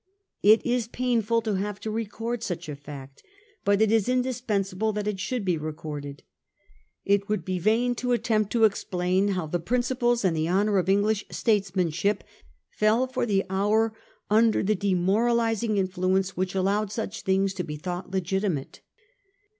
It is painful to have to record such a fact, but it is indispensable that it should be recorded. It would be vain to attempt to explain how the principles and the honour of English statesmanship fell for the hour under the demorali sing influence which allowed such things to be thought legitimate.